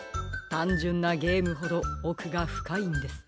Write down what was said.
たんじゅんなゲームほどおくがふかいんです。